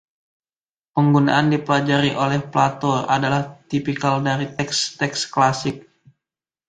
Penggunaan "dipelajari" oleh Plato adalah tipikal dari teks-teks Klasik.